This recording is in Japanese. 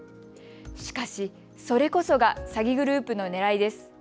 しかし、それこそが詐欺グループのねらいです。